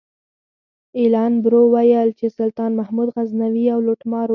ایلن برو ویل چې سلطان محمود غزنوي یو لوټمار و.